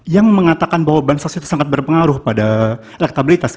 yang mengatakan bahwa bansos itu sangat berpengaruh pada elektabilitas